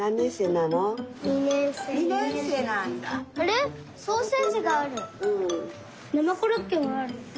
なまコロッケもある。